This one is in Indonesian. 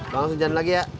bang sejalan lagi ya